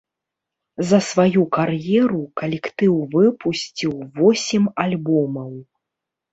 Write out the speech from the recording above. За сваю кар'еру калектыў выпусціў восем альбомаў.